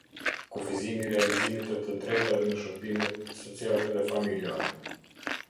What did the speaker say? Kufizimi i realizimit të të drejtave në shërbime sociale dhe familjare.